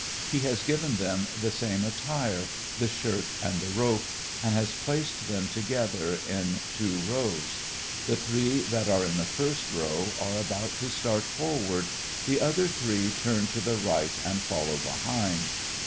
He has given them the same attire, the shirt and the rope, and has placed them together in two rows: the three that are in the first row, are about to start forward, the other three turn to the right and follow behind.